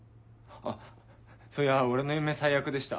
あっそういや俺の夢最悪でした。